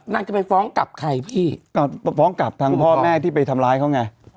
จะไปฟ้องกลับใครพี่ก็ฟ้องกลับทั้งพ่อแม่ที่ไปทำร้ายเขาไง